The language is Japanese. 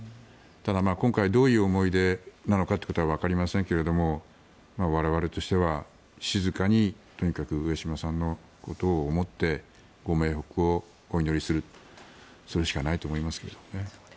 ただ、今回どういう思いでなのかはわかりませんけれども我々としては静かに上島さんのことを思ってご冥福をお祈りするそれしかないと思います。